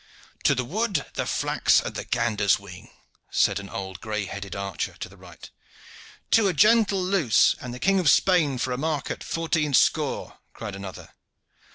"To the wood, the flax, and the gander's wing!" said an old gray headed archer on the right. "To a gentle loose, and the King of Spain for a mark at fourteen score!" cried another.